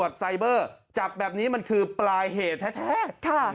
จับแบบนี้มันคือปลายเหตุแท้